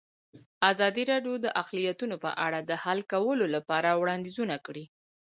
ازادي راډیو د اقلیتونه په اړه د حل کولو لپاره وړاندیزونه کړي.